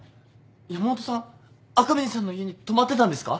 山本さん赤嶺さんの家に泊まってたんですか？